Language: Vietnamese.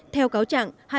theo cáo trạng